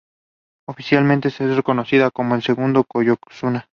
Oficialmente es reconocido como el segundo "yokozuna".